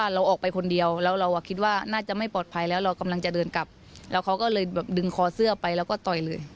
เรากำลังจะเดินกลับแล้วเขาก็เลยดึงคอเสื้อไปแล้วก็ตอยเลย